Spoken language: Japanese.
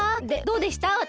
でどうでした？